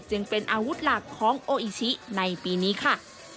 จึงเป็นอาวุธหลักของโออิชิในปีนี้ค่ะ